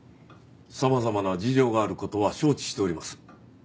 様々な事情がある事は承知しております。